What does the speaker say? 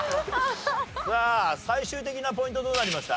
さあ最終的なポイントどうなりました？